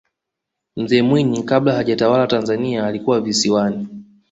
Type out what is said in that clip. mzee mwinyi kabla hajatawala tanzania alikuwa visiwani